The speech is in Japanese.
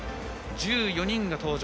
１４人が登場。